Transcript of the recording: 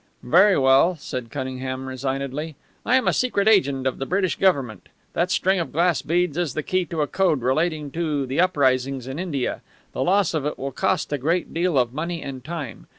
"Very well," said Cunningham, resignedly. "I am a secret agent of the British Government. That string of glass beads is the key to a code relating to the uprisings in India. The loss of it will cost a great deal of money and time.